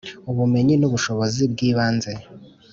Ubumenyi n ubushobozi bw ibanze